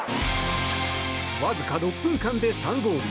わずか６分間で３ゴール。